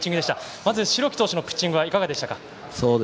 まず代木投手のピッチングはいかがでしたか？